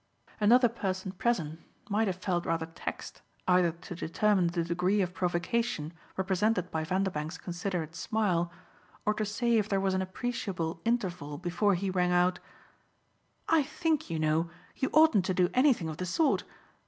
Another person present might have felt rather taxed either to determine the degree of provocation represented by Vanderbank's considerate smile, or to say if there was an appreciable interval before he rang out: "I think, you know, you oughtn't to do anything of the sort.